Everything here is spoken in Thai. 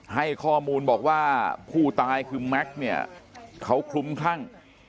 ให้ข้อมูลบอกว่าผู้ตายคือแม็กซ์เนี่ยเขาคลุ้มคลั่ง